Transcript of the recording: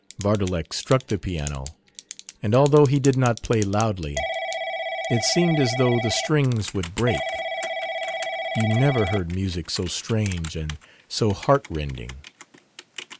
Vardalek struck the piano, and although he did not play loudly, it seemed as though the strings would break. You never heard music so strange and so heart rending!